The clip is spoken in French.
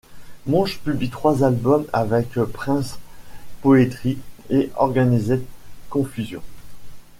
Monch publie trois albums avec Prince Poetry et Organized Konfusion.